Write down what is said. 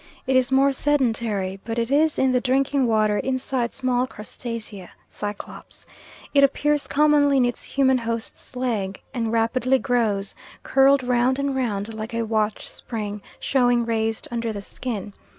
It is more sedentary, but it is in the drinking water inside small crustacea (cyclops). It appears commonly in its human host's leg, and rapidly grows, curled round and round like a watch spring, showing raised under the skin.